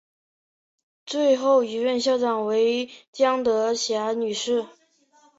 最后一任校长为江德霞女士。